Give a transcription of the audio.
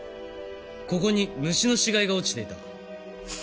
ここに虫の死骸が落ちていた。